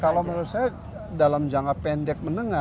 kalau menurut saya dalam jangka pendek menengah